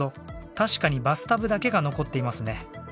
確かにバスタブだけが残っていますね。